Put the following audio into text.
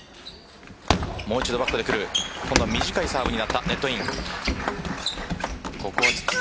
もう一度バックでくる今度は短いサーブになったここをツッツキ。